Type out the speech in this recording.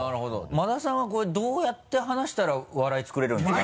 馬田さんはこれどうやって話したら笑い作れるんですかね？